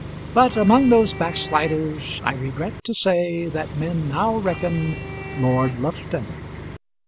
But, among those backsliders, I regret to say, that men now reckon Lord Lufton.